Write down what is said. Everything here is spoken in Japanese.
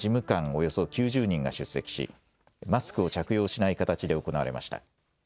およそ９０人が出席しマスクを着用しない形で行われました。